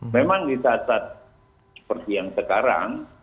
memang di saat saat seperti yang sekarang